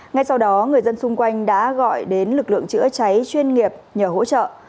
ngay sau đó người dân xung quanh đã gọi đến lực lượng chữa cháy chuyên nghiệp nhờ hỗ trợ